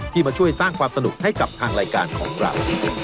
มาช่วยสร้างความสนุกให้กับทางรายการของเรา